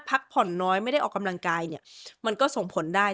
พักผ่อนน้อยไม่ได้ออกกำลังกายเนี่ยมันก็ส่งผลได้